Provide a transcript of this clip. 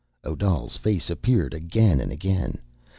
Odal's face appeared again and again.